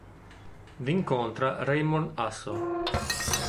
Vi incontra Raymond Asso.